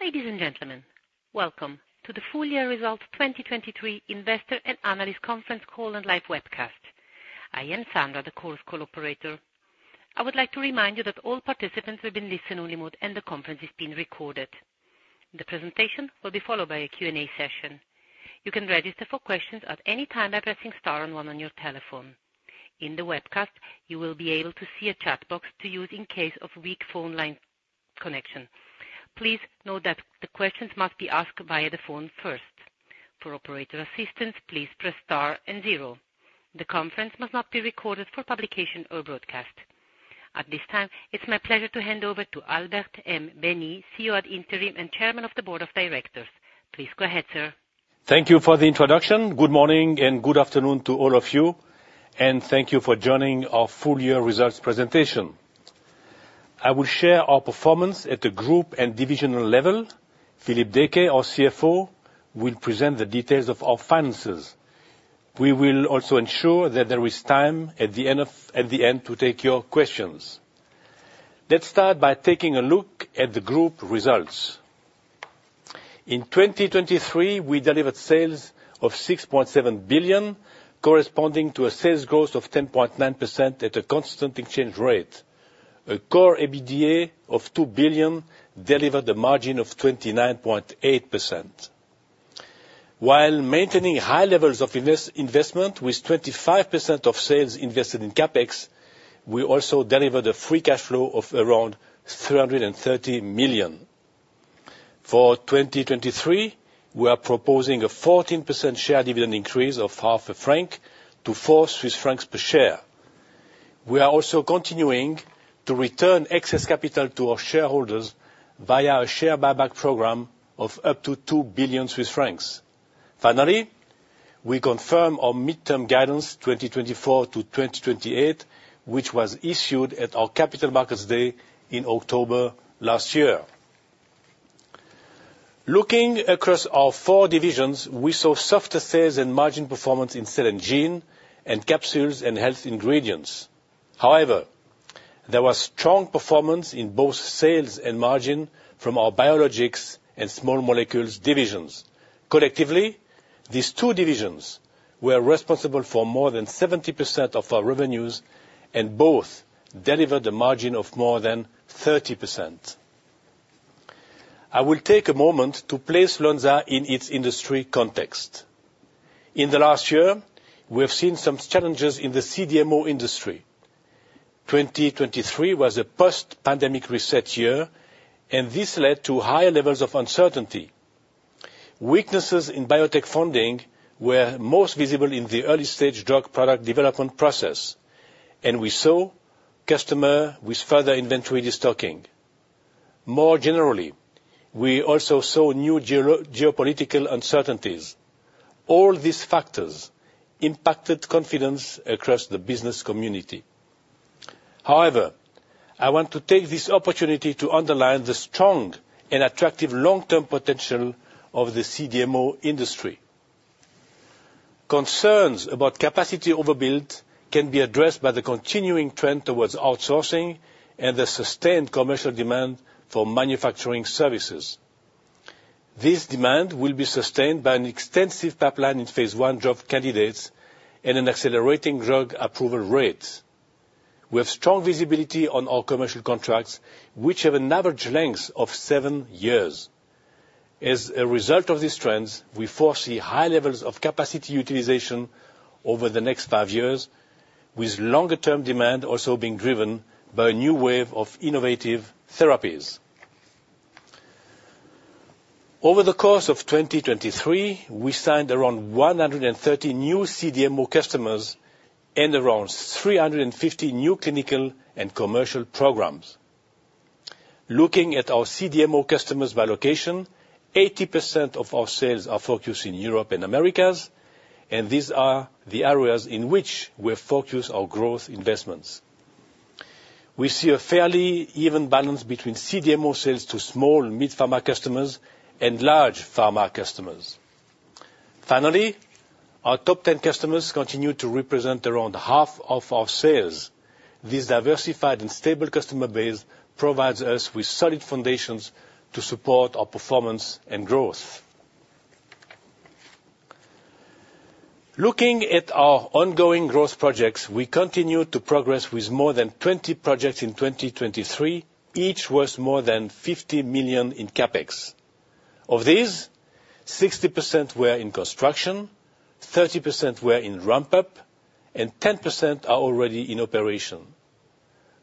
Ladies and gentlemen, welcome to the Full-Year Results 2023 Investor and Analyst Conference Call and Live Webcast. I am Sandra, the conference operator. I would like to remind you that all participants will be in listen-only mode and the conference is being recorded. The presentation will be followed by a Q&A session. You can register for questions at any time by pressing star one on your telephone. In the webcast, you will be able to see a chat box to use in case of weak phone line connection. Please note that the questions must be asked via the phone first. For operator assistance, please press star and zero. The conference must not be recorded for publication or broadcast. At this time, it's my pleasure to hand over to Albert M. Baehny, CEO ad interim and Chairman of the Board of Directors. Please go ahead, sir. Thank you for the introduction. Good morning and good afternoon to all of you, and thank you for joining our Full-Year Results Presentation. I will share our performance at the group and divisional level. Philippe Deecke, our CFO, will present the details of our finances. We will also ensure that there is time at the end to take your questions. Let's start by taking a look at the group results. In 2023, we delivered sales of 6.7 billion, corresponding to a sales growth of 10.9% at a constant exchange rate. A core EBITDA of 2 billion delivered a margin of 29.8%. While maintaining high levels of investment with 25% of sales invested in CapEx, we also delivered a free cash flow of around 330 million. For 2023, we are proposing a 14% share dividend increase of CHF 0.5 to 4 Swiss francs per share. We are also continuing to return excess capital to our shareholders via a share buyback program of up to 2 billion Swiss francs. Finally, we confirm our mid-term guidance 2024 to 2028, which was issued at our Capital Markets Day in October last year. Looking across our four divisions, we saw softer sales and margin performance in Cell and Gene and Capsules and Health Ingredients. However, there was strong performance in both sales and margin from our Biologics and Small Molecules divisions. Collectively, these two divisions were responsible for more than 70% of our revenues and both delivered a margin of more than 30%. I will take a moment to place Lonza in its industry context. In the last year, we have seen some challenges in the CDMO industry. 2023 was a post-pandemic reset year, and this led to higher levels of uncertainty. Weaknesses in biotech funding were most visible in the early-stage drug product development process, and we saw customers with further inventory destocking. More generally, we also saw new geopolitical uncertainties. All these factors impacted confidence across the business community. However, I want to take this opportunity to underline the strong and attractive long-term potential of the CDMO industry. Concerns about capacity overbuild can be addressed by the continuing trend towards outsourcing and the sustained commercial demand for manufacturing services. This demand will be sustained by an extensive pipeline in phase 1 drug candidates and an accelerating drug approval rate. We have strong visibility on our commercial contracts, which have an average length of seven years. As a result of these trends, we foresee high levels of capacity utilization over the next five years, with longer-term demand also being driven by a new wave of innovative therapies. Over the course of 2023, we signed around 130 new CDMO customers and around 350 new clinical and commercial programs. Looking at our CDMO customers by location, 80% of our sales are focused in Europe and Americas, and these are the areas in which we focus our growth investments. We see a fairly even balance between CDMO sales to small mid-pharma customers and large pharma customers. Finally, our top 10 customers continue to represent around half of our sales. This diversified and stable customer base provides us with solid foundations to support our performance and growth. Looking at our ongoing growth projects, we continue to progress with more than 20 projects in 2023, each worth more than 50 million in CapEx. Of these, 60% were in construction, 30% were in ramp-up, and 10% are already in operation.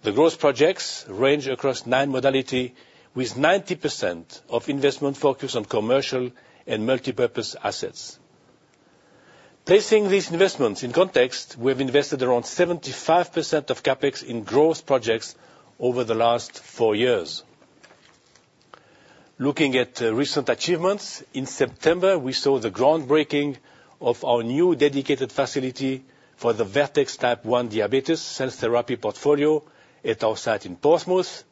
The growth projects range across nine modalities, with 90% of investment focused on commercial and multipurpose assets. Placing these investments in context, we have invested around 75% of CapEx in growth projects over the last four years. Looking at recent achievements, in September, we saw the groundbreaking of our new dedicated facility for the Vertex Type 1 Diabetes Cell Therapy Portfolio at our site in Portsmouth.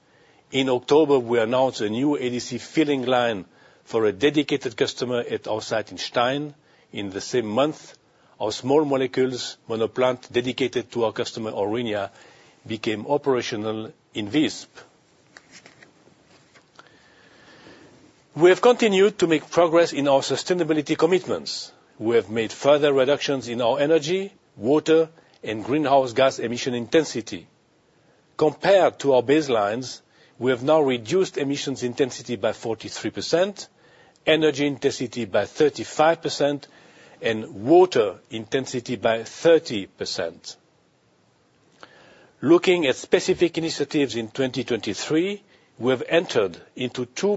In October, we announced a new ADC Filling Line for a dedicated customer at our site in Stein. In the same month, our Small Molecules monoplant dedicated to our customer Aurinia became operational in Visp. We have continued to make progress in our sustainability commitments. We have made further reductions in our energy, water, and greenhouse gas emission intensity. Compared to our baselines, we have now reduced emissions intensity by 43%, energy intensity by 35%, and water intensity by 30%. Looking at specific initiatives in 2023, we have entered into two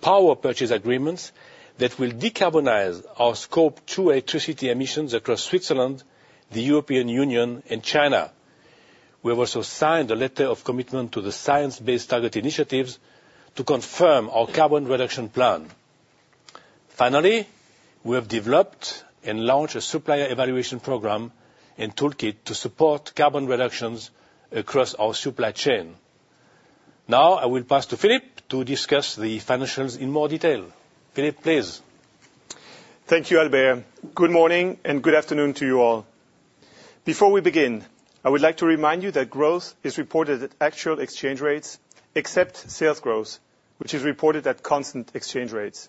power purchase agreements that will decarbonize our Scope 2 electricity emissions across Switzerland, the European Union, and China. We have also signed a letter of commitment to the Science Based Target initiatives to confirm our carbon reduction plan. Finally, we have developed and launched a supplier evaluation program and toolkit to support carbon reductions across our supply chain. Now, I will pass to Philippe to discuss the financials in more detail. Philippe, please. Thank you, Albert. Good morning and good afternoon to you all. Before we begin, I would like to remind you that growth is reported at actual exchange rates except sales growth, which is reported at constant exchange rates.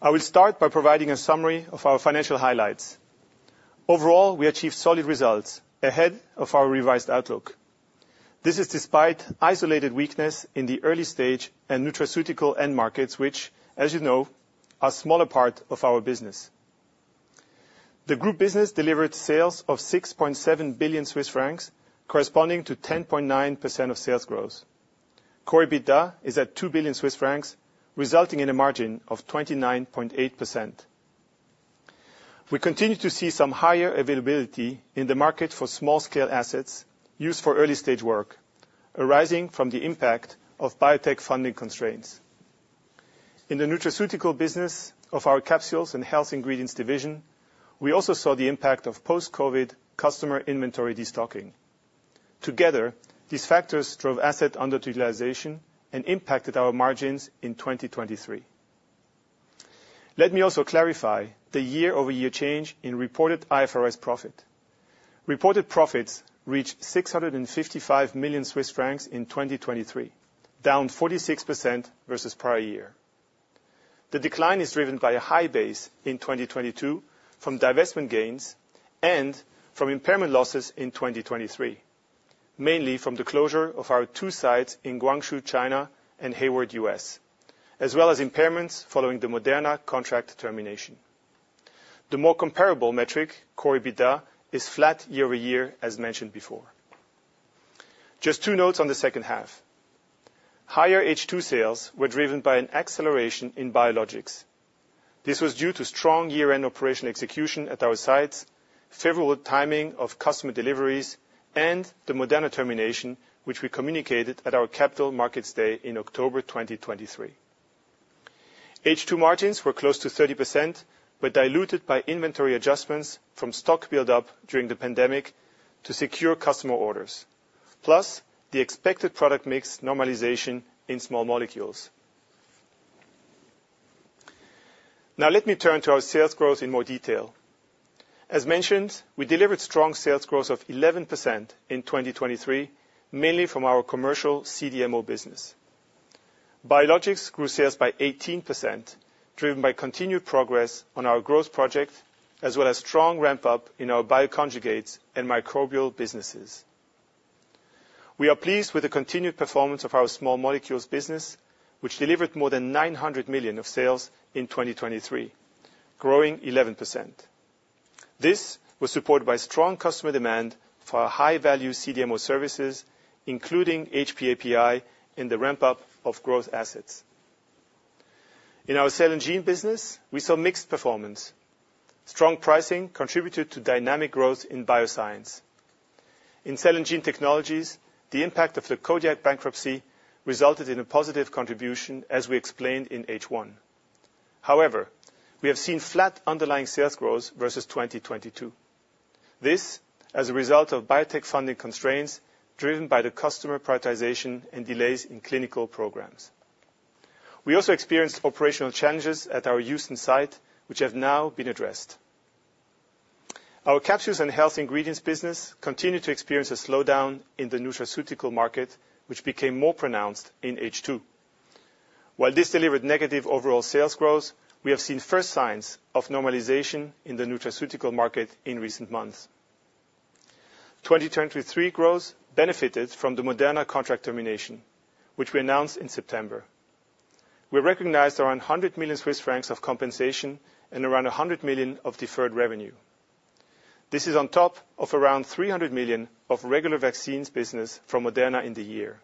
I will start by providing a summary of our financial highlights. Overall, we achieved solid results ahead of our revised outlook. This is despite isolated weakness in the early-stage and nutraceutical end markets, which, as you know, are a smaller part of our business. The group business delivered sales of 6.7 billion Swiss francs, corresponding to 10.9% of sales growth. Core EBITDA is at 2 billion Swiss francs, resulting in a margin of 29.8%. We continue to see some higher availability in the market for small-scale assets used for early-stage work, arising from the impact of biotech funding constraints. In the nutraceutical business of our Capsules and Health Ingredients division, we also saw the impact of post-COVID customer inventory destocking. Together, these factors drove asset underutilization and impacted our margins in 2023. Let me also clarify the year-over-year change in reported IFRS profit. Reported profits reached 655 million Swiss francs in 2023, down 46% versus prior year. The decline is driven by a high base in 2022 from divestment gains and from impairment losses in 2023, mainly from the closure of our two sites in Guangzhou, China, and Hayward, U.S., as well as impairments following the Moderna contract termination. The more comparable metric, Core EBITDA, is flat year-over-year, as mentioned before. Just two notes on the second half. Higher H2 sales were driven by an acceleration in Biologics. This was due to strong year-end operational execution at our sites, favorable timing of customer deliveries, and the Moderna termination, which we communicated at our Capital Markets Day in October 2023. H2 margins were close to 30% but diluted by inventory adjustments from stock buildup during the pandemic to secure customer orders, plus the expected product mix normalization in Small Molecules. Now, let me turn to our sales growth in more detail. As mentioned, we delivered strong sales growth of 11% in 2023, mainly from our commercial CDMO business. Biologics grew sales by 18%, driven by continued progress on our growth project, as well as strong ramp-up in our Bioconjugates and Microbial businesses. We are pleased with the continued performance of our Small Molecules business, which delivered more than 900 million of sales in 2023, growing 11%. This was supported by strong customer demand for high-value CDMO services, including HPAPI, and the ramp-up of growth assets. In our Cell and Gene business, we saw mixed performance. Strong pricing contributed to dynamic growth in Bioscience. In Cell and Gene Technologies, the impact of the Kodiak bankruptcy resulted in a positive contribution, as we explained in H1. However, we have seen flat underlying sales growth versus 2022. This is as a result of biotech funding constraints driven by the customer prioritization and delays in clinical programs. We also experienced operational challenges at our Houston site, which have now been addressed. Our Capsules and Health Ingredients business continued to experience a slowdown in the nutraceutical market, which became more pronounced in H2. While this delivered negative overall sales growth, we have seen first signs of normalization in the nutraceutical market in recent months. 2023 growth benefited from the Moderna contract termination, which we announced in September. We recognized around 100 million Swiss francs of compensation and around 100 million of deferred revenue. This is on top of around 300 million of regular vaccines business from Moderna in the year.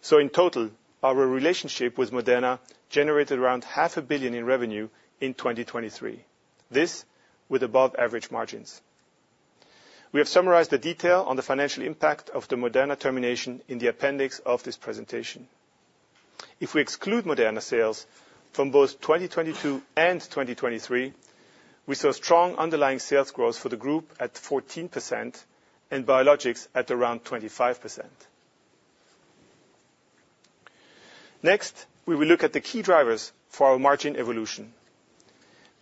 So, in total, our relationship with Moderna generated around 500 million in revenue in 2023, this with above-average margins. We have summarized the detail on the financial impact of the Moderna termination in the appendix of this presentation. If we exclude Moderna sales from both 2022 and 2023, we saw strong underlying sales growth for the group at 14% and Biologics at around 25%. Next, we will look at the key drivers for our margin evolution.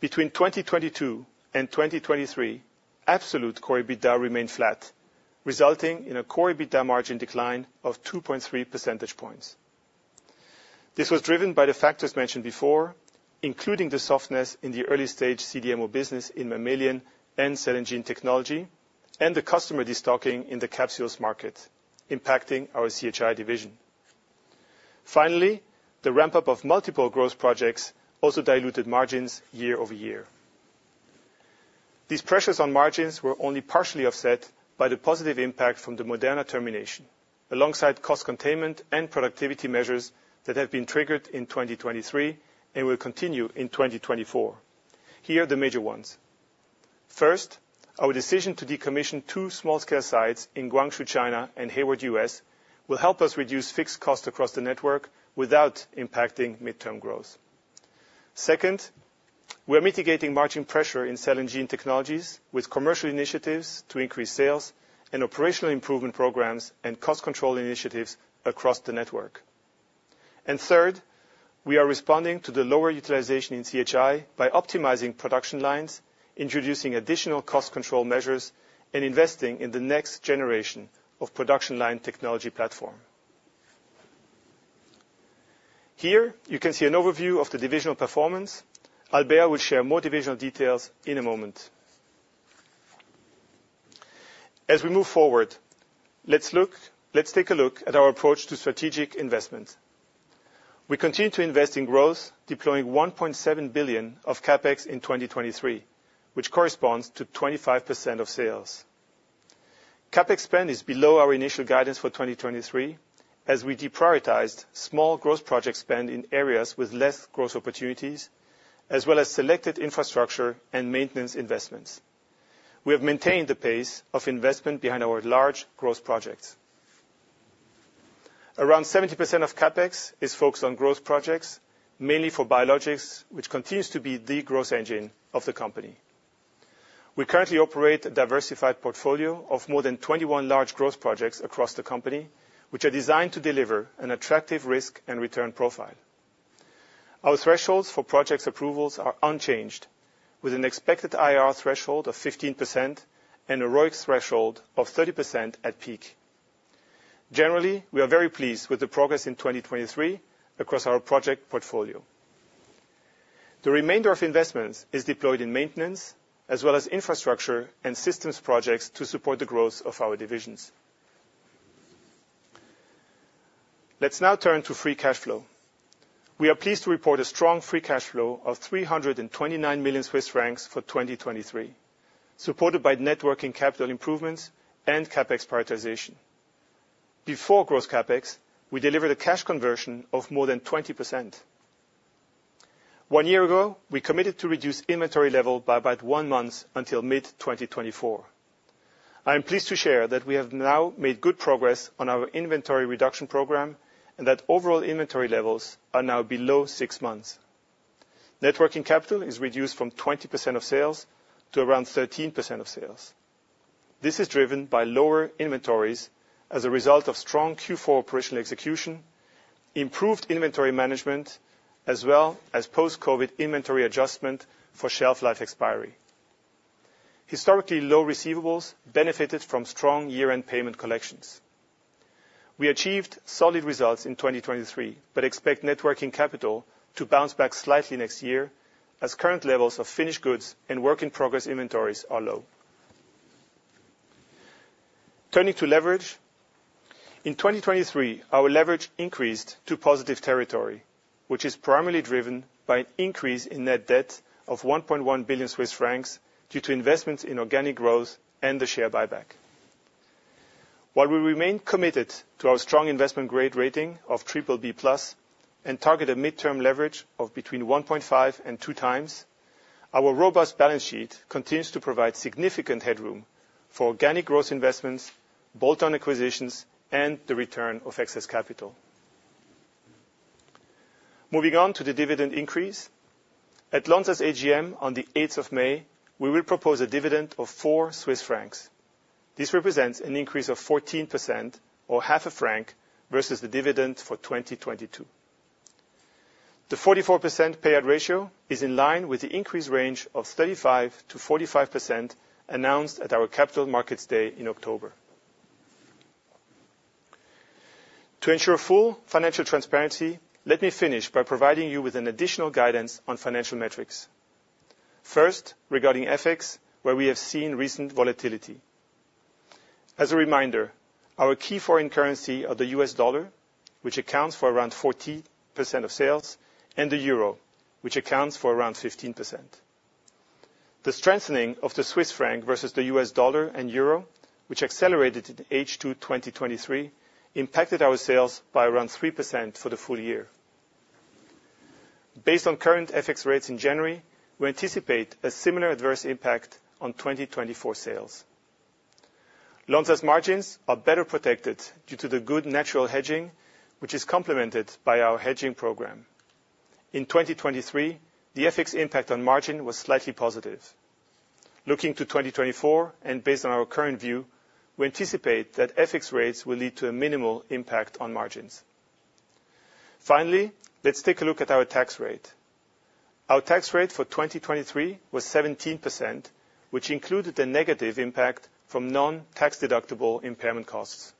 Between 2022 and 2023, absolute Core EBITDA remained flat, resulting in a Core EBITDA margin decline of 2.3 percentage points. This was driven by the factors mentioned before, including the softness in the early-stage CDMO business in Mammalian and Cell and Gene Technology and the customer destocking in the capsules market, impacting our CHI division. Finally, the ramp-up of multiple growth projects also diluted margins year-over-year. These pressures on margins were only partially offset by the positive impact from the Moderna termination, alongside cost containment and productivity measures that have been triggered in 2023 and will continue in 2024. Here are the major ones. First, our decision to decommission two small-scale sites in Guangzhou, China, and Hayward, U.S., will help us reduce fixed costs across the network without impacting mid-term growth. Second, we are mitigating margin pressure in Cell and Gene Technologies with commercial initiatives to increase sales and operational improvement programs and cost control initiatives across the network. And third, we are responding to the lower utilization in CHI by optimizing production lines, introducing additional cost control measures, and investing in the next generation of production line technology platform. Here, you can see an overview of the divisional performance. Albert will share more divisional details in a moment. As we move forward, let's look let's take a look at our approach to strategic investments. We continue to invest in growth, deploying 1.7 billion of CapEx in 2023, which corresponds to 25% of sales. CapEx spend is below our initial guidance for 2023, as we deprioritized small growth project spend in areas with less growth opportunities, as well as selected infrastructure and maintenance investments. We have maintained the pace of investment behind our large growth projects. Around 70% of CapEx is focused on growth projects, mainly for Biologics, which continues to be the growth engine of the company. We currently operate a diversified portfolio of more than 21 large growth projects across the company, which are designed to deliver an attractive risk and return profile. Our thresholds for project approvals are unchanged, with an expected IRR threshold of 15% and a ROIC threshold of 30% at peak. Generally, we are very pleased with the progress in 2023 across our project portfolio. The remainder of investments is deployed in maintenance, as well as infrastructure and systems projects to support the growth of our divisions. Let's now turn to free cash flow. We are pleased to report a strong free cash flow of 329 million Swiss francs for 2023, supported by net working capital improvements and CapEx prioritization. Before growth CapEx, we delivered a cash conversion of more than 20%. One year ago, we committed to reduce inventory level by about one month until mid-2024. I am pleased to share that we have now made good progress on our inventory reduction program and that overall inventory levels are now below six months. Net working capital is reduced from 20% of sales to around 13% of sales. This is driven by lower inventories as a result of strong Q4 operational execution, improved inventory management, as well as post-COVID inventory adjustment for shelf life expiry. Historically low receivables benefited from strong year-end payment collections. We achieved solid results in 2023 but expect net working capital to bounce back slightly next year, as current levels of finished goods and work-in-progress inventories are low. Turning to leverage. In 2023, our leverage increased to positive territory, which is primarily driven by an increase in net debt of 1.1 billion Swiss francs due to investments in organic growth and the share buyback. While we remain committed to our strong investment grade rating of BBB+ and target a mid-term leverage of between 1.5x and 2x, our robust balance sheet continues to provide significant headroom for organic growth investments, bolt-on acquisitions, and the return of excess capital. Moving on to the dividend increase. At Lonza's AGM on the 8th of May, we will propose a dividend of 4 Swiss francs. This represents an increase of 14%, or CHF 0.5, versus the dividend for 2022. The 44% payout ratio is in line with the increased range of 35%-45% announced at our Capital Markets Day in October. To ensure full financial transparency, let me finish by providing you with an additional guidance on financial metrics. First, regarding FX, where we have seen recent volatility. As a reminder, our key foreign currency are the U.S. dollar, which accounts for around 40% of sales, and the euro, which accounts for around 15%. The strengthening of the Swiss franc versus the U.S. dollar and euro, which accelerated in H2 2023, impacted our sales by around 3% for the full year. Based on current FX rates in January, we anticipate a similar adverse impact on 2024 sales. Lonza's margins are better protected due to the good natural hedging, which is complemented by our hedging program. In 2023, the FX impact on margin was slightly positive. Looking to 2024 and based on our current view, we anticipate that FX rates will lead to a minimal impact on margins. Finally, let's take a look at our tax rate. Our tax rate for 2023 was 17%, which included the negative impact from non-tax-deductible impairment costs.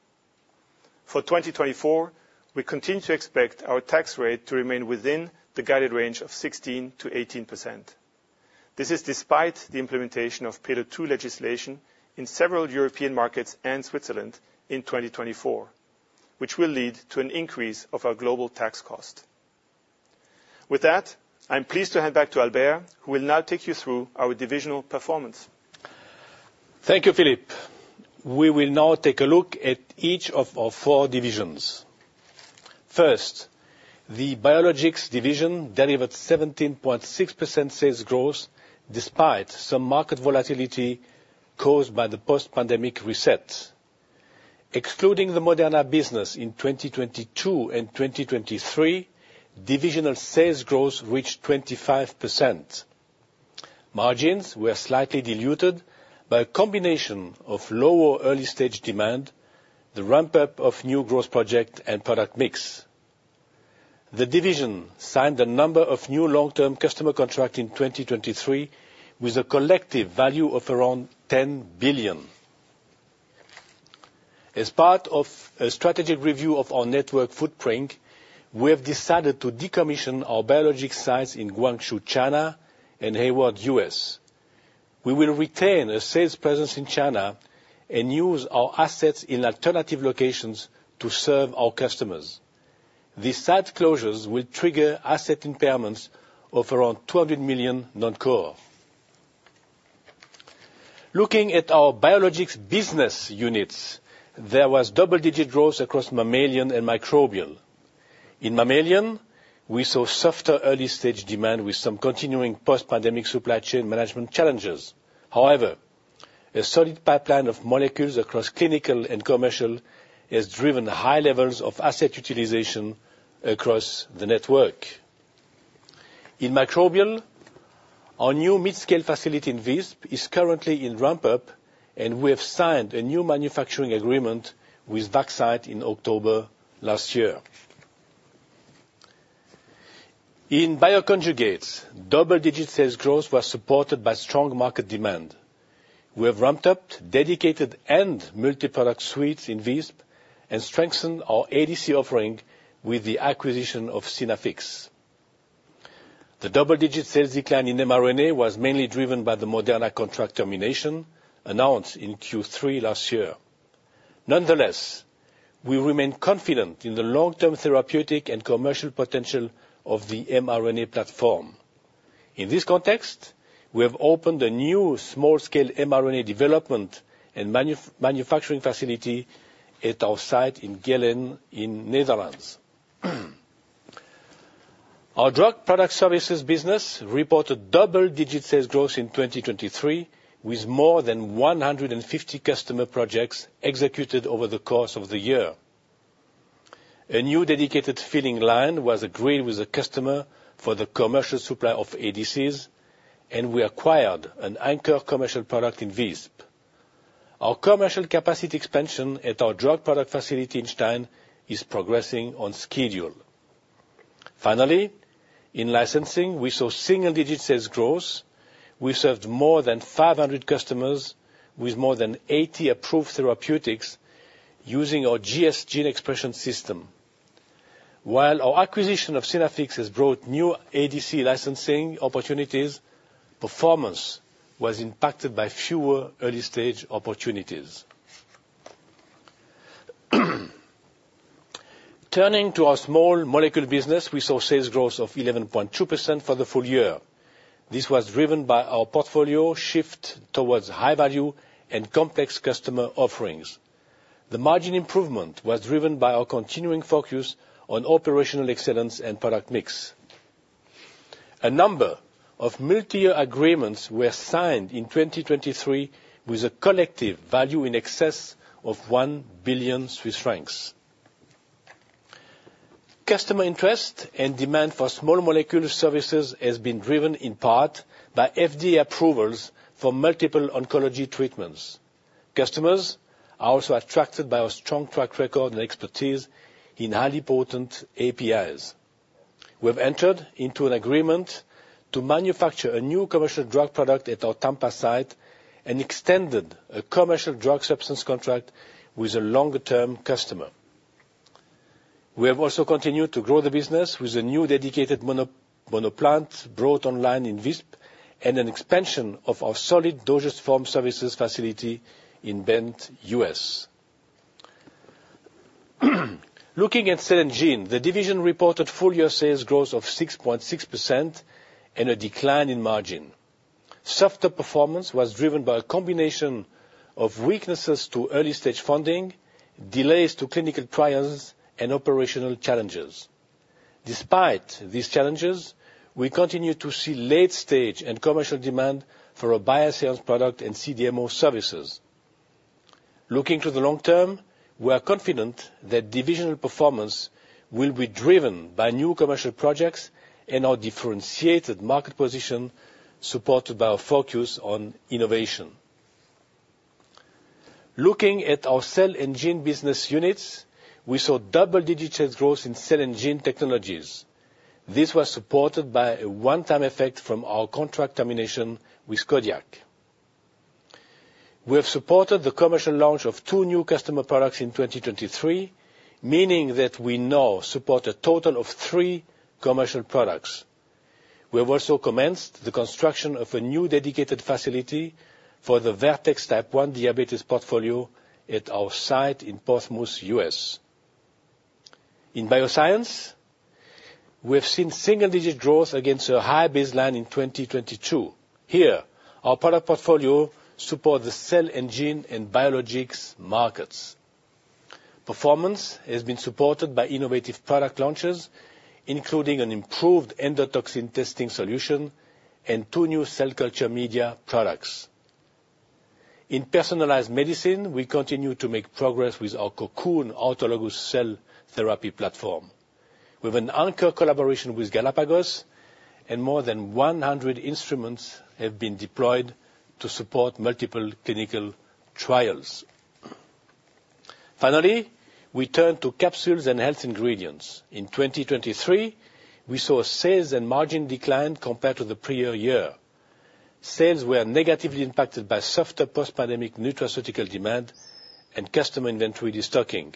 For 2024, we continue to expect our tax rate to remain within the guided range of 16%-18%. This is despite the implementation of Pillar II legislation in several European markets and Switzerland in 2024, which will lead to an increase of our global tax cost. With that, I am pleased to hand back to Albert, who will now take you through our divisional performance. Thank you, Philippe. We will now take a look at each of our four divisions. First, the Biologics Division delivered 17.6% sales growth despite some market volatility caused by the post-pandemic reset. Excluding the Moderna business in 2022 and 2023, divisional sales growth reached 25%. Margins were slightly diluted by a combination of lower early-stage demand, the ramp-up of new growth projects, and product mix. The division signed a number of new long-term customer contracts in 2023 with a collective value of around 10 billion. As part of a strategic review of our network footprint, we have decided to decommission our Biologics sites in Guangzhou, China, and Hayward, U.S. We will retain a sales presence in China and use our assets in alternative locations to serve our customers. These site closures will trigger asset impairments of around 200 million non-core. Looking at our Biologics business units, there was double-digit growth across Mammalian and Microbial. In Mammalian, we saw softer early-stage demand with some continuing post-pandemic supply chain management challenges. However, a solid pipeline of molecules across clinical and commercial has driven high levels of asset utilization across the network. In Microbial, our new mid-scale facility in Visp is currently in ramp-up, and we have signed a new manufacturing agreement with Vaxcyte in October last year. In Bioconjugates, double-digit sales growth was supported by strong market demand. We have ramped up dedicated and multi-product suites in Visp and strengthened our ADC offering with the acquisition of Synaffix. The double-digit sales decline in mRNA was mainly driven by the Moderna contract termination announced in Q3 last year. Nonetheless, we remain confident in the long-term therapeutic and commercial potential of the mRNA platform. In this context, we have opened a new small-scale mRNA development and manufacturing facility at our site in Geleen in the Netherlands. Our Drug Product Services business reported double-digit sales growth in 2023 with more than 150 customer projects executed over the course of the year. A new dedicated filling line was agreed with a customer for the commercial supply of ADCs, and we acquired an anchor commercial product in Visp. Our commercial capacity expansion at our drug product facility in Stein is progressing on schedule. Finally, in licensing, we saw single-digit sales growth. We served more than 500 customers with more than 80 approved therapeutics using our GS Gene Expression System. While our acquisition of Synaffix has brought new ADC licensing opportunities, performance was impacted by fewer early-stage opportunities. Turning to our Small Molecule business, we saw sales growth of 11.2% for the full year. This was driven by our portfolio shift towards high value and complex customer offerings. The margin improvement was driven by our continuing focus on operational excellence and product mix. A number of multi-year agreements were signed in 2023 with a collective value in excess of 1 billion Swiss francs. Customer interest and demand for small molecule services has been driven in part by FDA approvals for multiple oncology treatments. Customers are also attracted by our strong track record and expertise in Highly Potent APIs. We have entered into an agreement to manufacture a new commercial drug product at our Tampa site and extended a commercial drug substance contract with a longer-term customer. We have also continued to grow the business with a new dedicated monoplant brought online in Visp and an expansion of our solid dosage form services facility in Bend, U.S. Looking at Cell and Gene, the division reported full-year sales growth of 6.6% and a decline in margin. Softer performance was driven by a combination of weaknesses to early-stage funding, delays to clinical trials, and operational challenges. Despite these challenges, we continue to see late-stage and commercial demand for our Bioscience product and CDMO services. Looking to the long term, we are confident that divisional performance will be driven by new commercial projects and our differentiated market position supported by our focus on innovation. Looking at our Cell and Gene business units, we saw double-digit sales growth in Cell and Gene Technologies. This was supported by a one-time effect from our contract termination with Kodiak. We have supported the commercial launch of 2 new customer products in 2023, meaning that we now support a total of 3 commercial products. We have also commenced the construction of a new dedicated facility for the Vertex Type 1 diabetes portfolio at our site in Portsmouth, U.S. In Bioscience, we have seen single-digit growth against a high baseline in 2022. Here, our product portfolio supports the Cell and Gene and Biologics markets. Performance has been supported by innovative product launches, including an improved endotoxin testing solution and two new cell culture media products. In Personalized Medicine, we continue to make progress with our Cocoon autologous cell therapy platform. We have an anchor collaboration with Galapagos, and more than 100 instruments have been deployed to support multiple clinical trials. Finally, we turn to Capsules and Health Ingredients. In 2023, we saw sales and margin decline compared to the prior year. Sales were negatively impacted by softer post-pandemic nutraceutical demand and customer inventory destocking.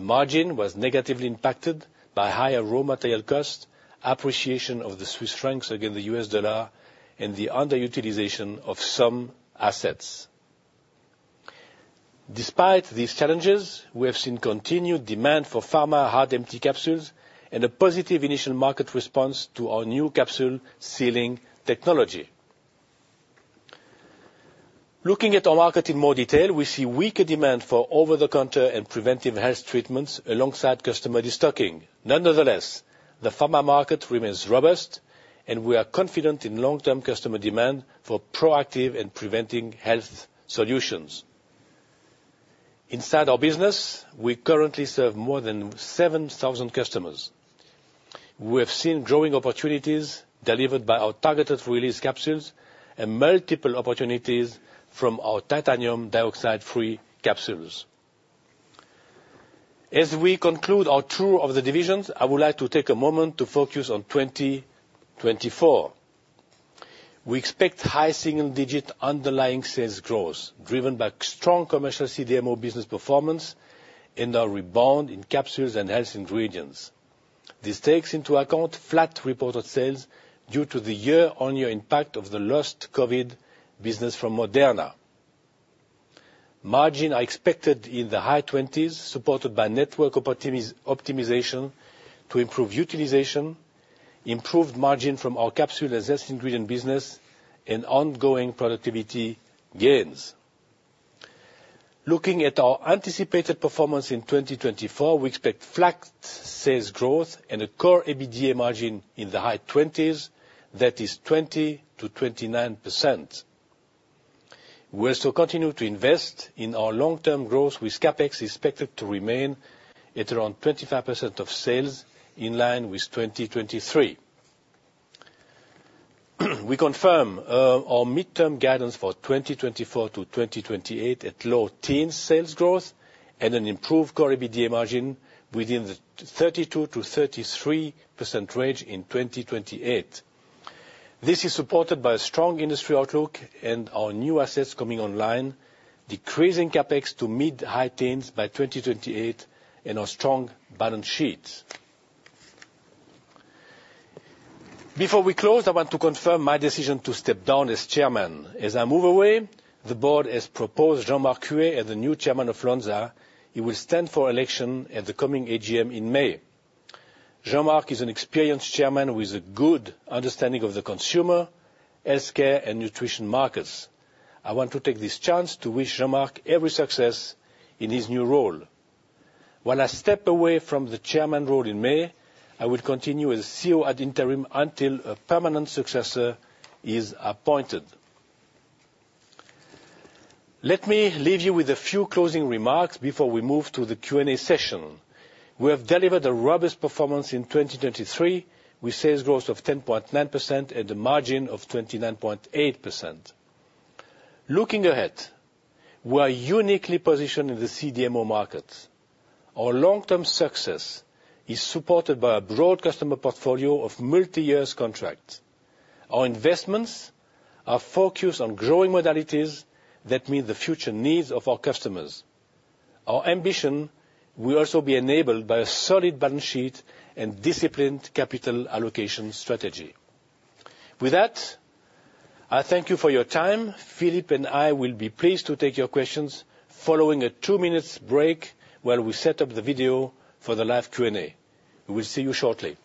The margin was negatively impacted by higher raw material costs, appreciation of the Swiss franc against the U.S. dollar, and the underutilization of some assets. Despite these challenges, we have seen continued demand for pharma hard empty capsules and a positive initial market response to our new capsule sealing technology. Looking at our market in more detail, we see weaker demand for over-the-counter and preventive health treatments alongside customer destocking. Nonetheless, the pharma market remains robust, and we are confident in long-term customer demand for proactive and preventive health solutions. Inside our business, we currently serve more than 7,000 customers. We have seen growing opportunities delivered by our targeted release capsules and multiple opportunities from our titanium dioxide-free capsules. As we conclude our tour of the divisions, I would like to take a moment to focus on 2024. We expect high single-digit underlying sales growth driven by strong commercial CDMO business performance and our rebound in Capsules and Health Ingredients. This takes into account flat reported sales due to the year-on-year impact of the lost COVID business from Moderna. Margin is expected in the high 20s, supported by network optimization to improve utilization, improved margin from our capsule and health ingredient business, and ongoing productivity gains. Looking at our anticipated performance in 2024, we expect flat sales growth and a core EBITDA margin in the high 20s, that is 20%-29%. We also continue to invest in our long-term growth, with CapEx expected to remain at around 25% of sales in line with 2023. We confirm our mid-term guidance for 2024-2028 at low teens sales growth and an improved core EBITDA margin within the 32%-33% range in 2028. This is supported by a strong industry outlook and our new assets coming online, decreasing CapEx to mid-high teens by 2028, and our strong balance sheets. Before we close, I want to confirm my decision to step down as chairman. As I move away, the board, as proposed Jean-Marc Huët as the new Chairman of Lonza, will stand for election at the coming AGM in May. Jean-Marc is an experienced chairman with a good understanding of the consumer, healthcare, and nutrition markets. I want to take this chance to wish Jean-Marc every success in his new role. While I step away from the chairman role in May, I will continue as CEO ad interim until a permanent successor is appointed. Let me leave you with a few closing remarks before we move to the Q&A session. We have delivered a robust performance in 2023 with sales growth of 10.9% and a margin of 29.8%. Looking ahead, we are uniquely positioned in the CDMO markets. Our long-term success is supported by a broad customer portfolio of multi-year contracts. Our investments are focused on growing modalities that meet the future needs of our customers. Our ambition will also be enabled by a solid balance sheet and disciplined capital allocation strategy. With that, I thank you for your time. Philippe and I will be pleased to take your questions following a two-minute break while we set up the video for the live Q&A. We will see you shortly.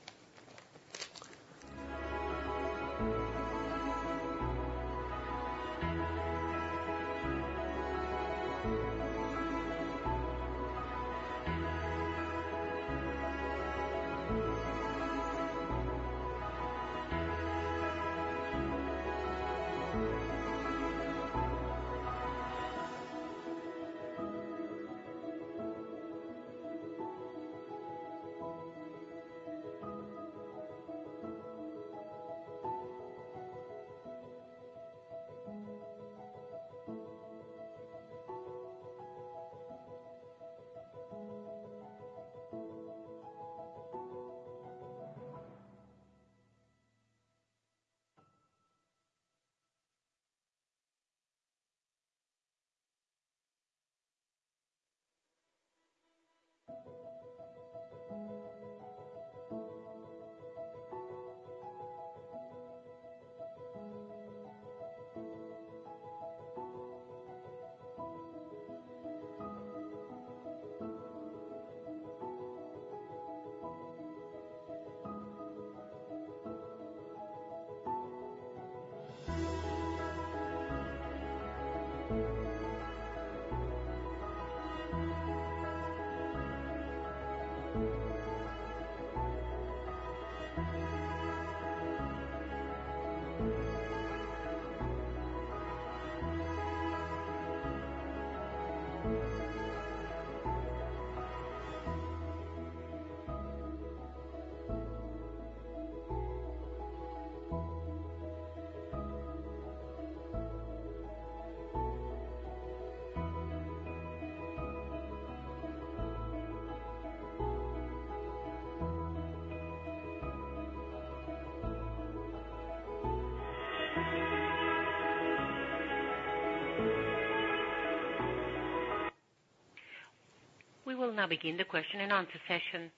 We will now begin the question-and-answer session.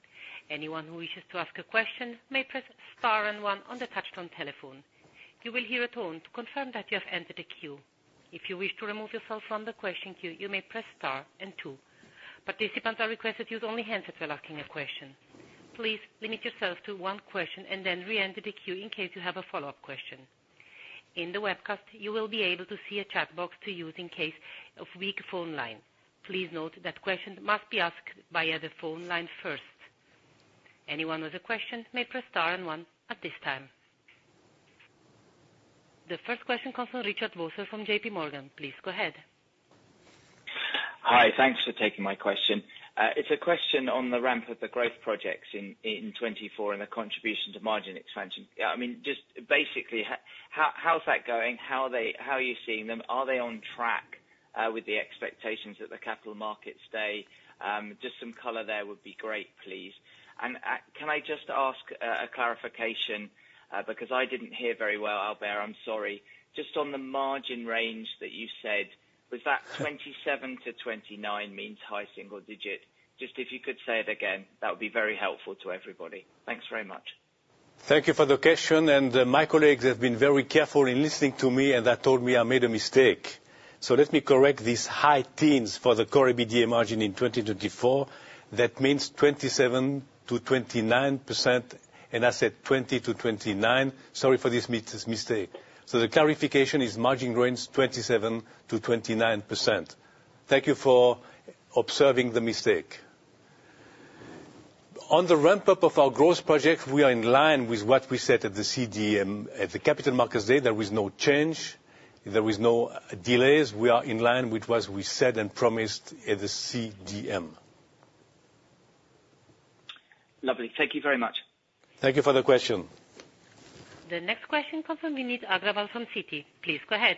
Anyone who wishes to ask a question may press star and one on the touch-tone telephone. You will hear a tone to confirm that you have entered a queue. If you wish to remove yourself from the question queue, you may press star and two. Participants are requested to use only hands if they're asking a question. Please limit yourself to one question and then re-enter the queue in case you have a follow-up question. In the webcast, you will be able to see a chat box to use in case of weak phone line. Please note that questions must be asked via the phone line first. Anyone with a question may press star and one at this time. The first question comes from Richard Vosser from JPMorgan. Please go ahead. Hi. Thanks for taking my question. It's a question on the ramp of the growth projects in 2024 and the contribution to margin expansion. I mean, just basically, how's that going? How are you seeing them? Are they on track with the expectations that the Capital Markets Day? Just some color there would be great, please. Can I just ask a clarification because I didn't hear very well, Albert? I'm sorry. Just on the margin range that you said, was that 27-29 means high single digit? Just if you could say it again, that would be very helpful to everybody. Thanks very much. Thank you for the question. My colleagues have been very careful in listening to me, and that told me I made a mistake. So let me correct this: high teens for the core EBITDA margin in 2024. That means 27%-29%, and I said 20%-29%. Sorry for this mistake. So the clarification is margin range 27%-29%. Thank you for observing the mistake. On the ramp-up of our growth projects, we are in line with what we said at the CDM at the Capital Markets Day. There was no change. There were no delays. We are in line with what we said and promised at the CDM. Lovely. Thank you very much. Thank you for the question. The next question comes from Vineet Agrawal from Citi. Please go ahead.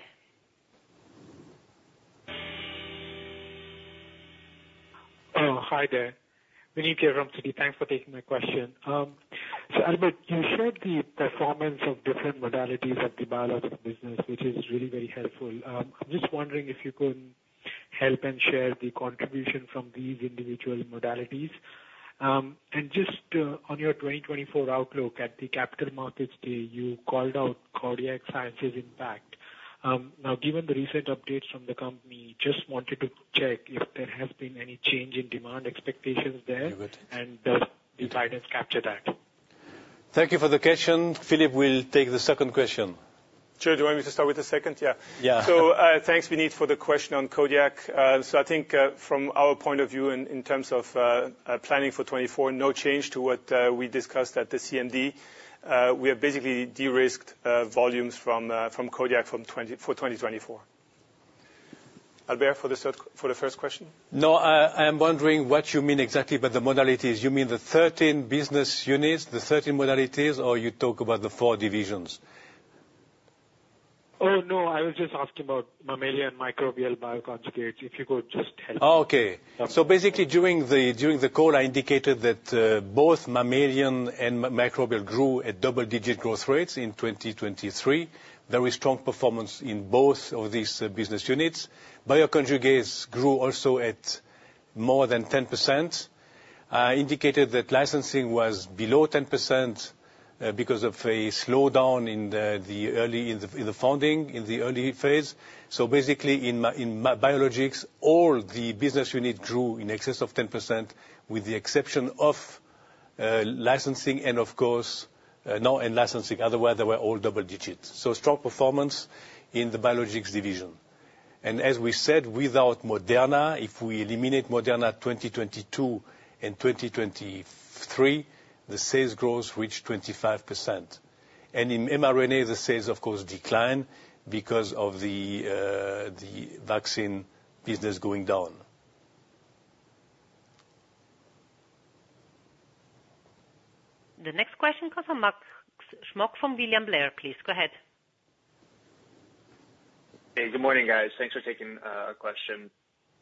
Oh, hi there. Vineet here from Citi. Thanks for taking my question. So, Albert, you shared the performance of different modalities at the Biologics business, which is really very helpful. I'm just wondering if you could help and share the contribution from these individual modalities. And just on your 2024 outlook at the Capital Markets Day, you called out Kodiak Sciences' impact. Now, given the recent updates from the company, I just wanted to check if there has been any change in demand expectations there, and did the guidance capture that? Thank you for the question. Philippe will take the second question. Sure. Do you want me to start with the second? Yeah. So thanks, Vineet, for the question on Kodiak. So I think from our point of view, in terms of planning for 2024, no change to what we discussed at the CMD. We have basically de-risked volumes from Kodiak for 2024. Albert, for the first question? No, I am wondering what you mean exactly by the modalities. You mean the 13 business units, the 13 modalities, or you talk about the four divisions? Oh, no. I was just asking about Mammalian Microbial Bioconjugates. If you could just help. Oh, okay. So basically, during the call, I indicated that both Mammalian and Microbial grew at double-digit growth rates in 2023, very strong performance in both of these business units. Bioconjugates grew also at more than 10%. I indicated that Licensing was below 10% because of a slowdown in the early funding, in the early phase. So basically, in Biologics, all the business units grew in excess of 10%, with the exception of licensing and, of course, no Licensing. Otherwise, they were all double-digit. So strong performance in the Biologics Division. And as we said, without Moderna, if we eliminate Moderna 2022 and 2023, the sales growth reached 25%. And in mRNA, the sales, of course, declined because of the vaccine business going down. The next question comes from Max Smock from William Blair, please. Go ahead. Hey. Good morning, guys. Thanks for taking a question.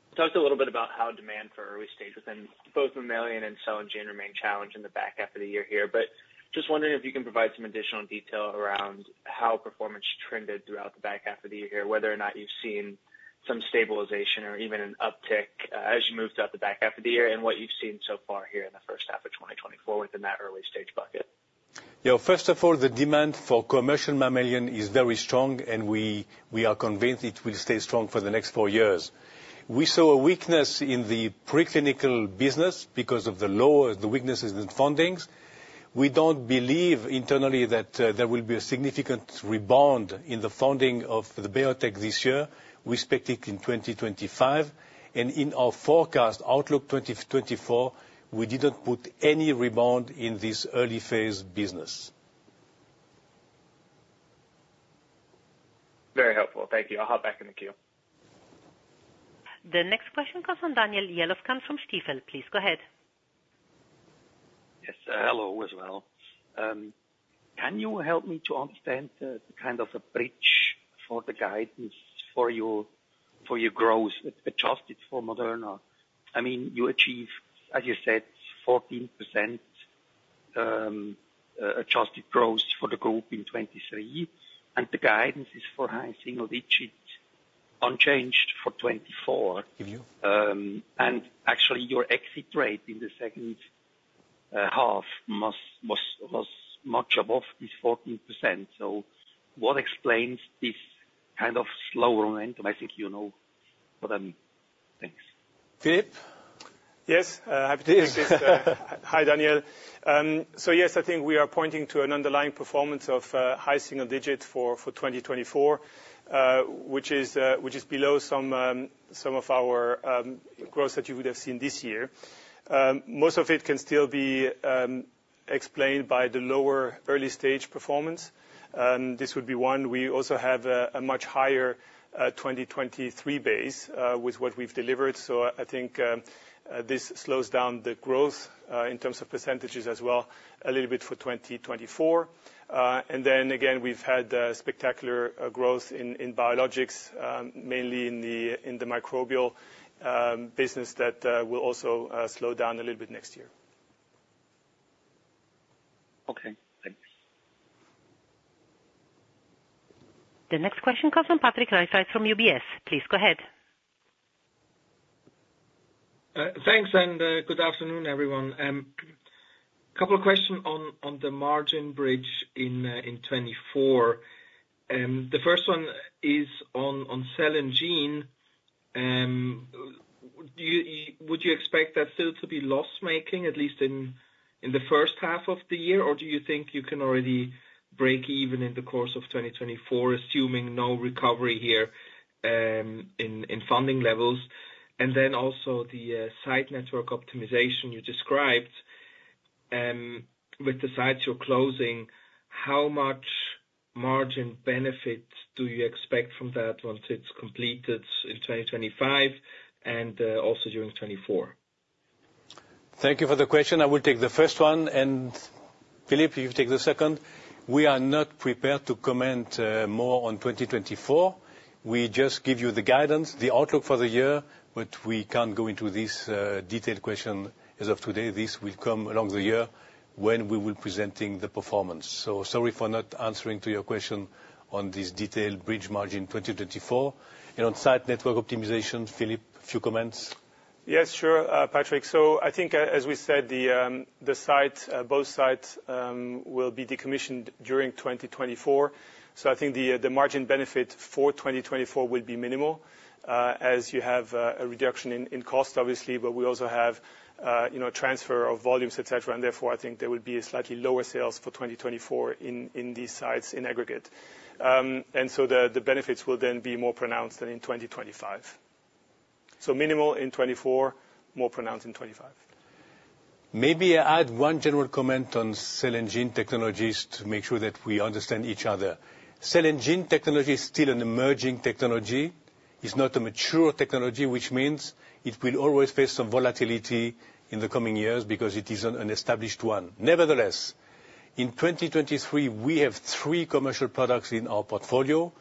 We talked a little bit about how demand for early stage within both Mammalian and Cell and Gene remained challenged in the back half of the year here. But just wondering if you can provide some additional detail around how performance trended throughout the back half of the year here, whether or not you've seen some stabilization or even an uptick as you move throughout the back half of the year and what you've seen so far here in the first half of 2024 within that early stage bucket. Yeah. First of all, the demand for commercial Mammalian is very strong, and we are convinced it will stay strong for the next four years. We saw a weakness in the preclinical business because of the lower funding. The weakness is in funding. We don't believe internally that there will be a significant rebound in the funding of the biotech this year. We expect it in 2025. In our forecast outlook 2024, we didn't put any rebound in this early phase business. Very helpful. Thank you. I'll hop back in the queue. The next question comes from Daniel Jelovcan from Stifel. Please go ahead. Yes. Hello as well. Can you help me to understand the kind of a bridge for the guidance for your growth adjusted for Moderna? I mean, you achieve, as you said, 14% adjusted growth for the group in 2023, and the guidance is for high single digit unchanged for 2024. Give you. Actually, your exit rate in the second half was much above this 14%. What explains this kind of slower momentum? I think you know what I mean. Thanks. Philippe? Yes. Happy to hear this. Hi, Daniel. So yes, I think we are pointing to an underlying performance of high single digit for 2024, which is below some of our growth that you would have seen this year. Most of it can still be explained by the lower early stage performance. This would be one. We also have a much higher 2023 base with what we've delivered. So I think this slows down the growth in terms of percentages as well a little bit for 2024. And then again, we've had spectacular growth in Biologics, mainly in the Microbial business that will also slow down a little bit next year. Okay. Thanks. The next question comes from Patrick Rafaisz from UBS. Please go ahead. Thanks, and good afternoon, everyone. A couple of questions on the margin bridge in 2024. The first one is on Cell and Gene. Would you expect that still to be loss-making, at least in the first half of the year, or do you think you can already break even in the course of 2024, assuming no recovery here in funding levels? And then also the site network optimization you described. With the sites you're closing, how much margin benefit do you expect from that once it's completed in 2025 and also during 2024? Thank you for the question. I will take the first one. And Philippe, you take the second. We are not prepared to comment more on 2024. We just give you the guidance, the outlook for the year, but we can't go into this detailed question as of today. This will come along the year when we will be presenting the performance. So sorry for not answering to your question on this detailed bridge margin 2024. And on site network optimization, Philippe, a few comments? Yes, sure, Patrick. So I think, as we said, both sites will be decommissioned during 2024. So I think the margin benefit for 2024 will be minimal, as you have a reduction in cost, obviously, but we also have a transfer of volumes, etc. And therefore, I think there will be slightly lower sales for 2024 in these sites in aggregate. And so the benefits will then be more pronounced than in 2025. So minimal in 2024, more pronounced in 2025. Maybe I'll add one general comment on Cell and Gene Technologies to make sure that we understand each other. Cell and Gene Technology is still an emerging technology. It's not a mature technology, which means it will always face some volatility in the coming years because it is an established one. Nevertheless, in 2023, we have three commercial products in our portfolio.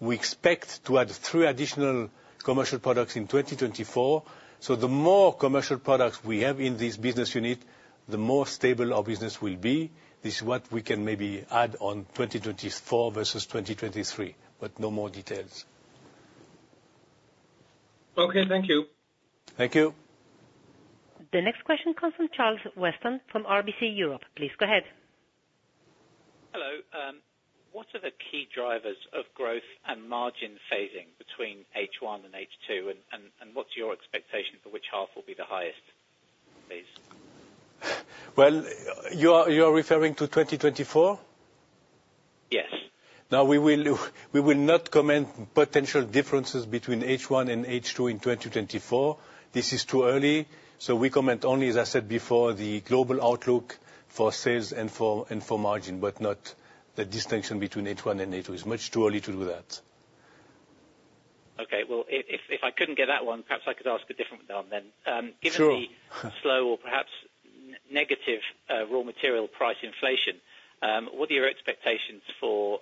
We expect to add three additional commercial products in 2024. So the more commercial products we have in this business unit, the more stable our business will be. This is what we can maybe add on 2024 versus 2023, but no more details. Okay. Thank you. Thank you. The next question comes from Charles Weston from RBC Europe. Please go ahead. Hello. What are the key drivers of growth and margin phasing between H1 and H2, and what's your expectation for which half will be the highest, please? Well, you are referring to 2024? Yes. Now, we will not comment on potential differences between H1 and H2 in 2024. This is too early. We comment only, as I said before, the global outlook for sales and for margin, but not the distinction between H1 and H2. It's much too early to do that. Okay. Well, if I couldn't get that one, perhaps I could ask a different one then. Given the slow or perhaps negative raw material price inflation, what are your expectations for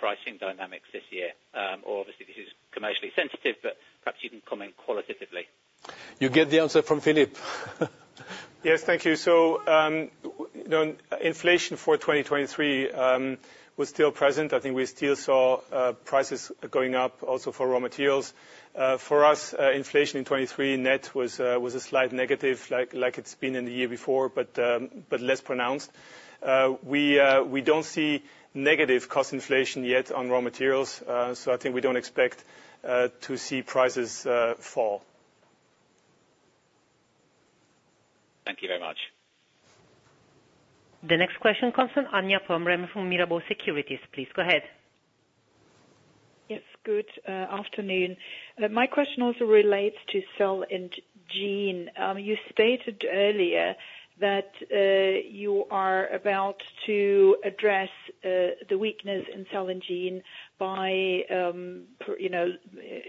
pricing dynamics this year? Or obviously, this is commercially sensitive, but perhaps you can comment qualitatively. You get the answer from Philippe. Yes. Thank you. So inflation for 2023 was still present. I think we still saw prices going up also for raw materials. For us, inflation in 2023 net was a slight negative, like it's been in the year before, but less pronounced. We don't see negative cost inflation yet on raw materials. So I think we don't expect to see prices fall. Thank you very much. The next question comes from Anya Pombrem from Mirabaud Securities. Please go ahead. Yes. Good afternoon. My question also relates to Cell and Gene. You stated earlier that you are about to address the weakness in Cell and Gene by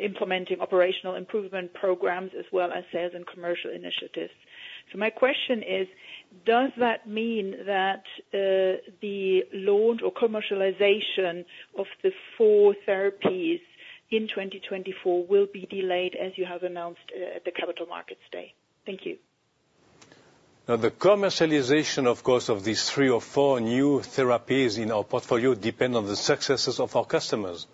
implementing operational improvement programs as well as sales and commercial initiatives. So my question is, does that mean that the launch or commercialization of the 4 therapies in 2024 will be delayed, as you have announced at the Capital Markets Day? Thank you. Now, the commercialization, of course, of these three or four new therapies in our portfolio depends on the successes of our customers.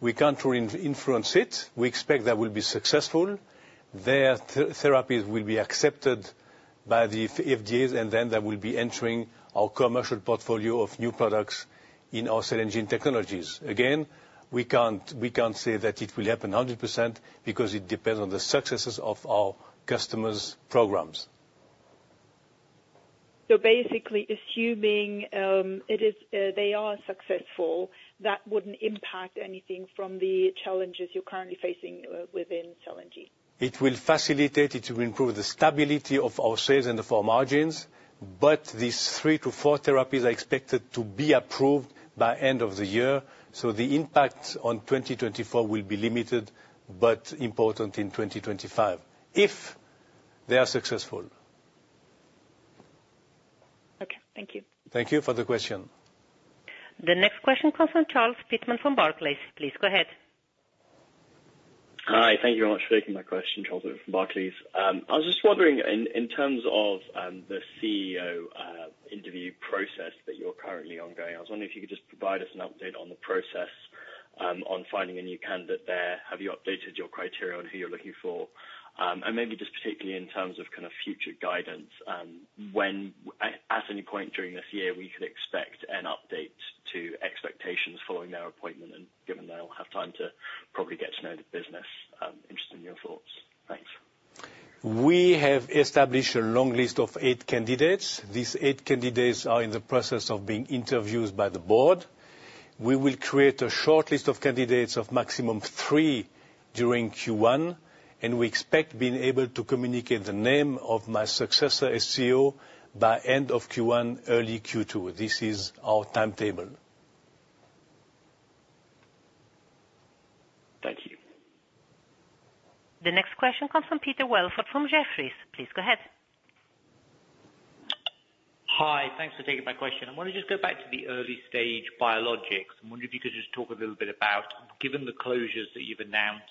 We can't influence it. We expect that we'll be successful. Their therapies will be accepted by the FDA, and then they will be entering our commercial portfolio of new products in our Cell and Gene Technologies. Again, we can't say that it will happen 100% because it depends on the successes of our customers' programs. So basically, assuming they are successful, that wouldn't impact anything from the challenges you're currently facing within Cell and Gene? It will facilitate it to improve the stability of our sales and of our margins. But these 3-4 therapies are expected to be approved by the end of the year. So the impact on 2024 will be limited but important in 2025, if they are successful. Okay. Thank you. Thank you for the question. The next question comes from Charles Pitman from Barclays. Please go ahead. Hi. Thank you very much for taking my question, Charles Pitman from Barclays. I was just wondering, in terms of the CEO interview process that you're currently ongoing, I was wondering if you could just provide us an update on the process on finding a new candidate there. Have you updated your criteria on who you're looking for? And maybe just particularly in terms of kind of future guidance, at any point during this year, we could expect an update to expectations following their appointment, given they'll have time to probably get to know the business. Interested in your thoughts. Thanks. We have established a long list of eight candidates. These eight candidates are in the process of being interviewed by the board. We will create a short list of candidates of maximum three during Q1, and we expect being able to communicate the name of my successor CEO by the end of Q1, early Q2. This is our timetable. Thank you. The next question comes from Peter Welford from Jefferies. Please go ahead. Hi. Thanks for taking my question. I want to just go back to the early stage Biologics. I wonder if you could just talk a little bit about, given the closures that you've announced,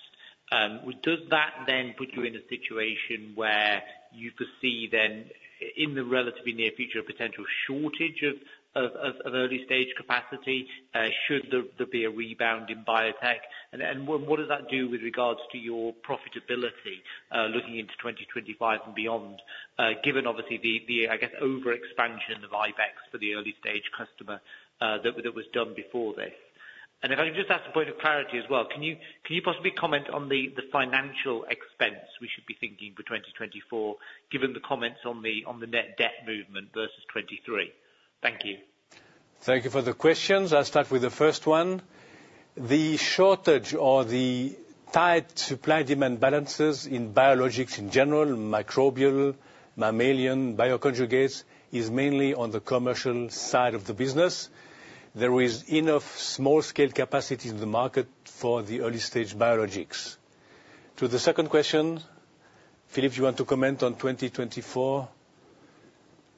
does that then put you in a situation where you foresee then, in the relatively near future, a potential shortage of early stage capacity? Should there be a rebound in biotech? And what does that do with regards to your profitability looking into 2025 and beyond, given, obviously, the, I guess, overexpansion of Ibex for the early stage customer that was done before this? And if I can just ask a point of clarity as well, can you possibly comment on the financial expense we should be thinking for 2024, given the comments on the net debt movement versus 2023? Thank you. Thank you for the questions. I'll start with the first one. The shortage or the tight supply-demand balances in Biologics in General, Microbial, Mammalian, Bioconjugates, is mainly on the commercial side of the business. There is enough small-scale capacity in the market for the early stage Biologics. To the second question, Philippe, you want to comment on 2024,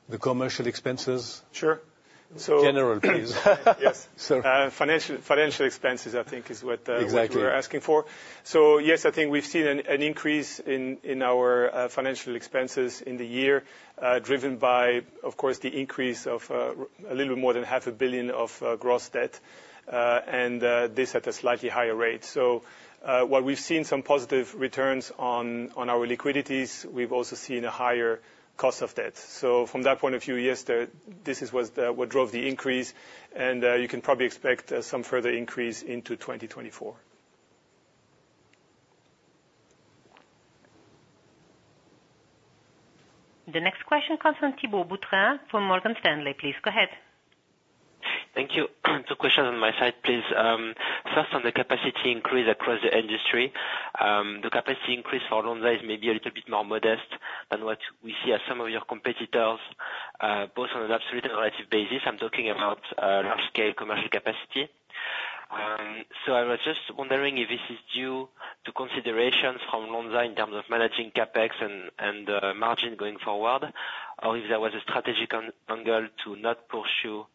the commercial expenses? Sure. So. General, please. Yes. Financial expenses, I think, is what we were asking for. So yes, I think we've seen an increase in our financial expenses in the year, driven by, of course, the increase of a little bit more than 500 million of gross debt, and this at a slightly higher rate. So while we've seen some positive returns on our liquidities, we've also seen a higher cost of debt. So from that point of view, yes, this is what drove the increase. And you can probably expect some further increase into 2024. The next question comes from Thibault Boutherin from Morgan Stanley. Please go ahead. Thank you. Two questions on my side, please. First, on the capacity increase across the industry. The capacity increase for Lonza is maybe a little bit more modest than what we see at some of your competitors, both on an absolute and relative basis. I'm talking about large-scale commercial capacity. So I was just wondering if this is due to considerations from Lonza in terms of managing CapEx and margin going forward, or if there was a strategic angle to not pursue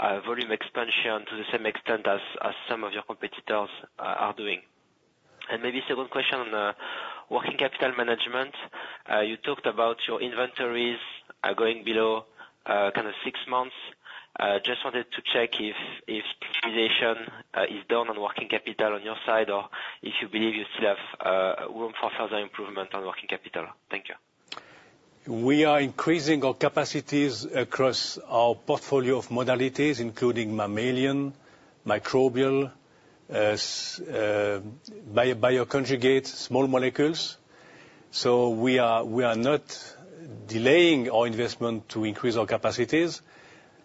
volume expansion to the same extent as some of your competitors are doing. And maybe second question on working capital management. You talked about your inventories going below kind of six months. Just wanted to check if prioritization is done on working capital on your side or if you believe you still have room for further improvement on working capital. Thank you. We are increasing our capacities across our portfolio of modalities, including Mammalian, Microbial, Bioconjugate, Small Molecules. So we are not delaying our investment to increase our capacities.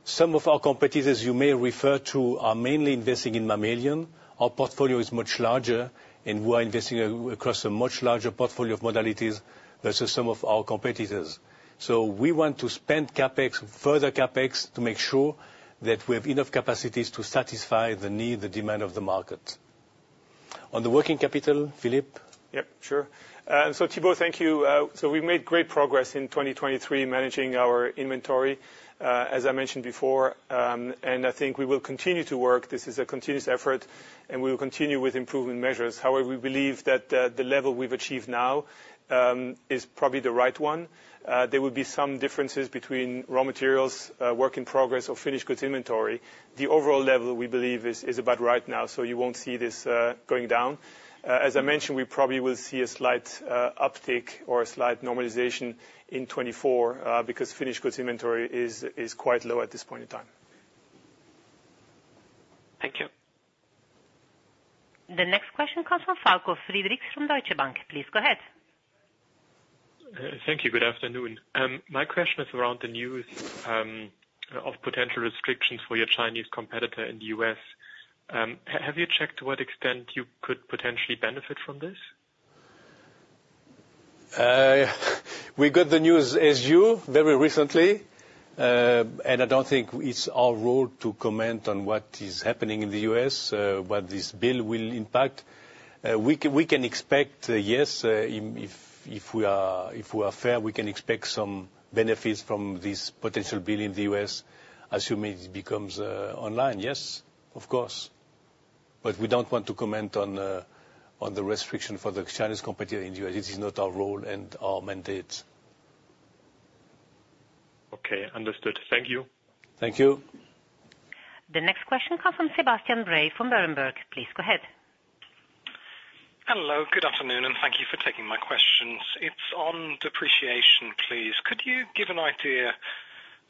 Some of our competitors, as you may refer to, are mainly investing in Mammalian. Our portfolio is much larger, and we are investing across a much larger portfolio of modalities versus some of our competitors. So we want to spend further CapEx to make sure that we have enough capacities to satisfy the need, the demand of the market. On the working capital, Philippe? Yep. Sure. So Thibault, thank you. So we've made great progress in 2023 managing our inventory, as I mentioned before. And I think we will continue to work. This is a continuous effort, and we will continue with improvement measures. However, we believe that the level we've achieved now is probably the right one. There will be some differences between raw materials, work in progress, or finished goods inventory. The overall level, we believe, is about right now, so you won't see this going down. As I mentioned, we probably will see a slight uptick or a slight normalization in 2024 because finished goods inventory is quite low at this point in time. Thank you. The next question comes from Falko Friedrichs from Deutsche Bank. Please go ahead. Thank you. Good afternoon. My question is around the news of potential restrictions for your Chinese competitor in the U.S. Have you checked to what extent you could potentially benefit from this? We got the news as you very recently. I don't think it's our role to comment on what is happening in the U.S., what this bill will impact. We can expect, yes. If we are fair, we can expect some benefits from this potential bill in the U.S., assuming it becomes online. Yes, of course. We don't want to comment on the restriction for the Chinese competitor in the U.S. It is not our role and our mandate. Okay. Understood. Thank you. Thank you. The next question comes from Sebastian Bray from Berenberg. Please go ahead. Hello. Good afternoon, and thank you for taking my questions. It's on depreciation, please. Could you give an idea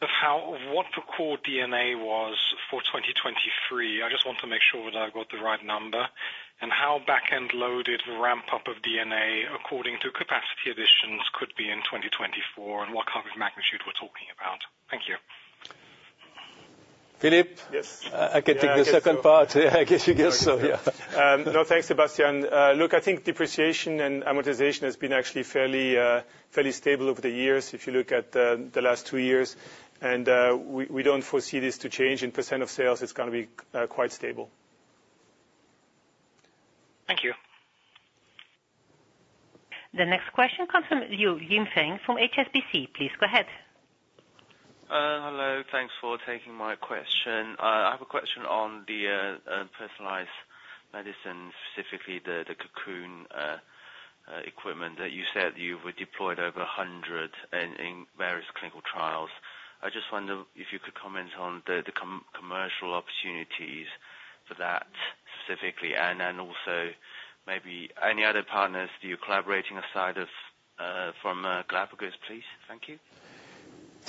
of what the Core D&A was for 2023? I just want to make sure that I've got the right number. How back-end loaded the ramp-up of D&A, according to capacity additions, could be in 2024, and what kind of magnitude we're talking about? Thank you. Philippe? Yes. I can take the second part. I guess you guessed so, yeah. No, thanks, Sebastian. Look, I think depreciation and amortization has been actually fairly stable over the years, if you look at the last two years. We don't foresee this to change. In percentage of sales, it's going to be quite stable. Thank you. The next question comes from Yim Feng from HSBC. Please go ahead. Hello. Thanks for taking my question. I have a question on the Personalized Medicine, specifically the Cocoon equipment that you said you've deployed over 100 in various clinical trials. I just wonder if you could comment on the commercial opportunities for that specifically, and also maybe any other partners. Do you collaborate aside from Galapagos, please? Thank you.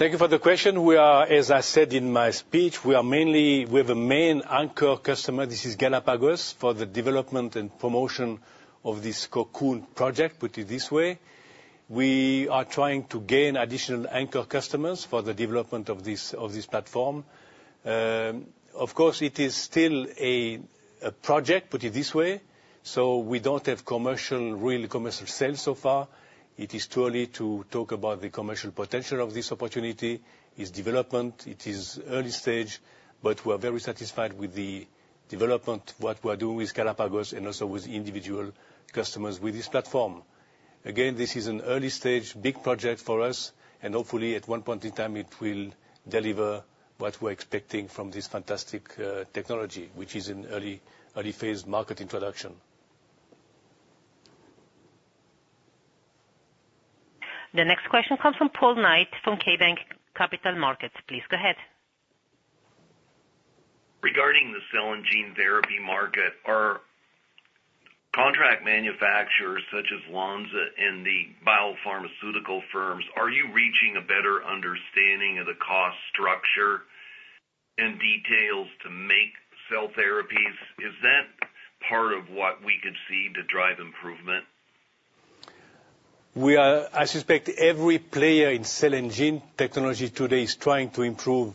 Thank you for the question. As I said in my speech, we have a main anchor customer. This is Galapagos for the development and promotion of this Cocoon project, put it this way. We are trying to gain additional anchor customers for the development of this platform. Of course, it is still a project, put it this way. So we don't have real commercial sales so far. It is too early to talk about the commercial potential of this opportunity. It's development. It is early stage. But we are very satisfied with the development, what we are doing with Galapagos, and also with individual customers with this platform. Again, this is an early stage, big project for us. And hopefully, at one point in time, it will deliver what we're expecting from this fantastic technology, which is an early-phase market introduction. The next question comes from Paul Knight from KeyBanc Capital Markets. Please go ahead. Regarding the Cell and Gene therapy market, are contract manufacturers such as Lonza and the biopharmaceutical firms, are you reaching a better understanding of the cost structure and details to make cell therapies? Is that part of what we could see to drive improvement? I suspect every player in Cell and Gene Technology today is trying to improve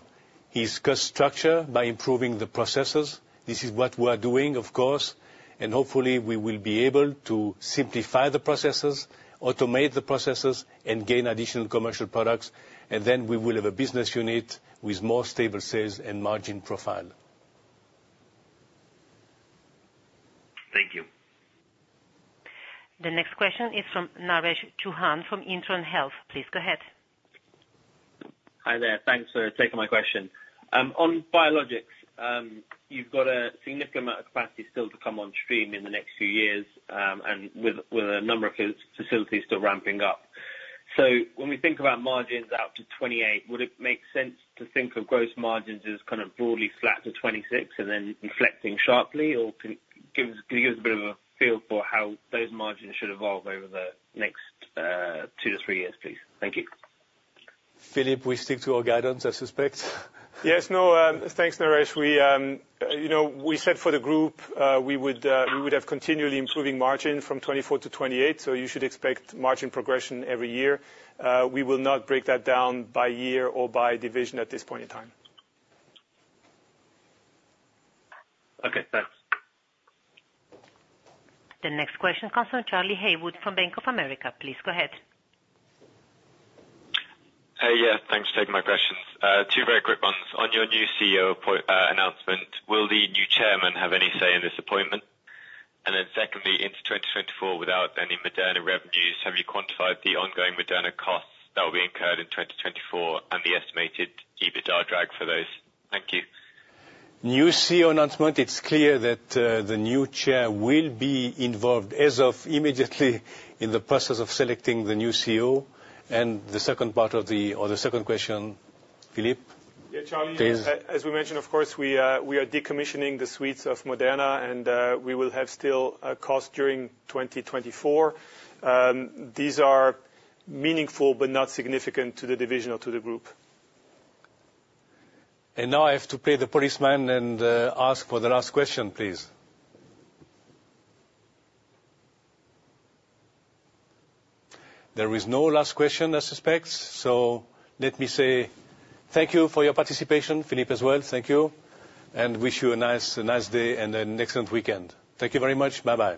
his cost structure by improving the processes. This is what we are doing, of course. And hopefully, we will be able to simplify the processes, automate the processes, and gain additional commercial products. And then we will have a business unit with more stable sales and margin profile. Thank you. The next question is from Naresh Chouhan from Intron Health. Please go ahead. Hi there. Thanks for taking my question. On Biologics, you've got a significant amount of capacity still to come on stream in the next few years and with a number of facilities still ramping up. So when we think about margins out to 2028, would it make sense to think of gross margins as kind of broadly flat to 2026 and then reflecting sharply? Or can you give us a bit of a feel for how those margins should evolve over the next two to three years, please? Thank you. Philippe, we stick to our guidance, I suspect. Yes. No, thanks, Naresh. We said for the group, we would have continually improving margin from 24%-28%. So you should expect margin progression every year. We will not break that down by year or by division at this point in time. Okay. Thanks. The next question comes from Charlie Haywood from Bank of America. Please go ahead. Yeah. Thanks for taking my questions. Two very quick ones. On your new CEO announcement, will the new Chairman have any say in this appointment? And then secondly, into 2024 without any Moderna revenues, have you quantified the ongoing Moderna costs that will be incurred in 2024 and the estimated EBITDA drag for those? Thank you. New CEO announcement. It's clear that the new Chair will be involved as of immediately in the process of selecting the new CEO. And the second part of the or the second question, Philippe? Yeah, Charlie. As we mentioned, of course, we are decommissioning the suites of Moderna, and we will have still costs during 2024. These are meaningful but not significant to the division or to the group. Now I have to play the policeman and ask for the last question, please. There is no last question, I suspect. Let me say thank you for your participation, Philippe as well. Thank you and wish you a nice day and an excellent weekend. Thank you very much. Bye-bye.